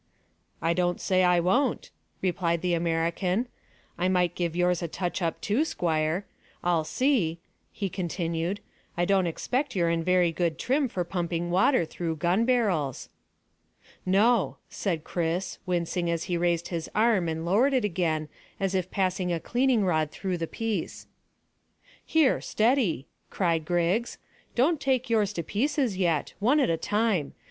"I don't say I won't," replied the American. "I might give yours a touch up too, squire. I'll see," he continued. "I don't expect you're in very good trim for pumping water through gun barrels." "No," said Chris, wincing as he raised his arm and lowered it again as if passing a cleaning rod through the piece. "Here, steady!" cried Griggs. "Don't take yours to pieces yet. One at a time.